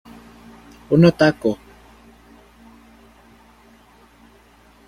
Un otaku que ama personajes moe, y que trabaja con Izzy como su subordinado.